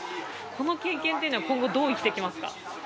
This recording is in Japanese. この経験というのは今後、どう生きていきますか？